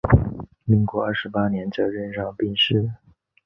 民国二十八年在任上病逝。